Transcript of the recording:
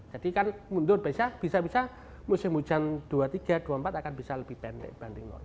jadi kan mundur bisa bisa musim hujan dua ribu dua puluh tiga dua ribu dua puluh empat akan bisa lebih pendek dibanding normalnya